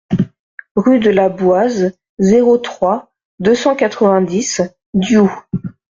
Rue de la Boise, zéro trois, deux cent quatre-vingt-dix Diou